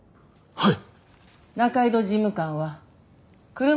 はい。